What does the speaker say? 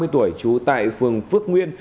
ba mươi tuổi trú tại phường phước nguyên